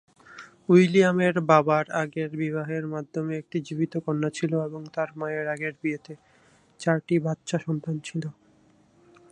উইলিয়ামের বাবার আগের বিবাহের মাধ্যমে একটি জীবিত কন্যা ছিল এবং তার মায়ের আগের বিয়েতে চারটি বাচ্চা সন্তান ছিল।